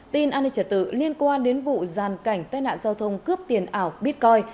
tin an ninh trở tử liên quan đến vụ gian cảnh tai nạn giao thông cướp tiền ảo bitcoin